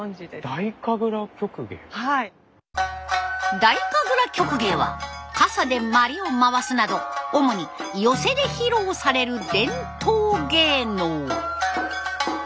太神楽曲芸は傘で鞠を回すなど主に寄席で披露される伝統芸能。